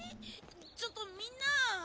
ちょっとみんな！